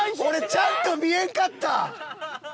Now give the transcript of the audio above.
俺ちゃんと見えんかった！